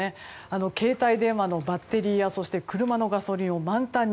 携帯電話のバッテリーや車のガソリンを満タンに。